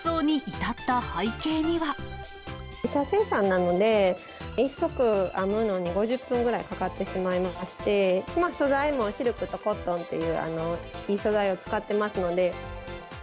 自社生産なので、１足編むのに５０分くらいかかってしまいまして、素材もシルクとコットンっていういい素材を使ってますので。